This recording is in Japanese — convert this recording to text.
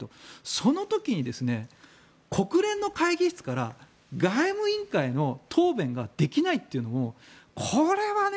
その時に国連の会議室から外務委員会の答弁ができないというのもこれはね